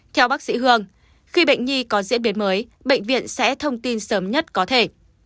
theo bác sĩ hương khi bệnh nhi có diễn biến mới bệnh viện sẽ thông tin sớm nhất có thể